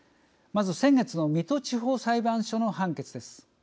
まず、先月の水戸地方裁判所の判決です。